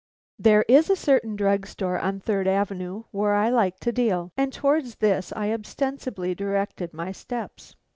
There is a certain drug store on Third Avenue where I like to deal, and towards this I ostensibly directed my steps.